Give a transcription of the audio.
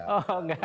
oh enggak gitu